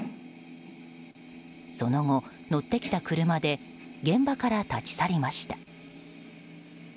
その後、乗ってきた車で現場から立ち去りました。